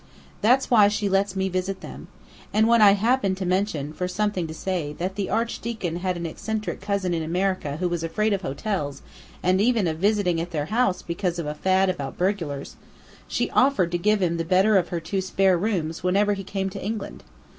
"That's why she lets me visit them. And when I happened to mention, for something to say, that the Archdeacon had an eccentric cousin in America who was afraid of hotels and even of visiting at their house because of a fad about burglars, she offered to give him the better of her two spare rooms whenever he came to England.